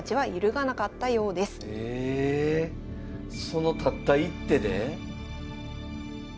そのたった一手で？